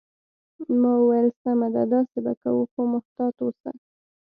ما وویل: سمه ده، داسې به کوو، خو محتاط اوسه.